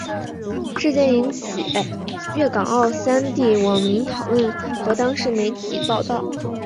事件引起粤港澳三地网民讨论和当地媒体报导。